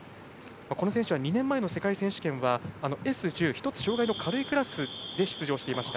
この選手は２年前の世界選手権はＳ１０、１つ障がいの軽いクラスで出場していました。